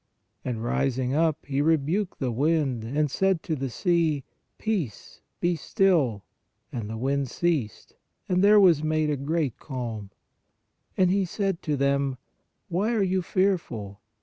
And rising up, He rebuked the wind, and said to the sea : Peace, be still. And the wind ceased, and there was made a great calm. And He said to them: Why are you fearful?